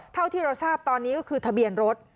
เท่าที่เราทราบตอนนี้ก็คือทะเบียนรถ